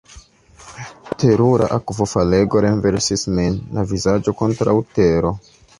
Terura akvofalego renversis min, la vizaĝo kontraŭ tero.